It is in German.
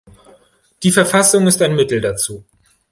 Die Verfassung ist ein Mittel dazu.